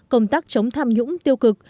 công tác chống tham nhũng tiêu cực